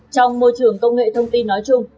trong môi trường công nghệ thông tin nói chung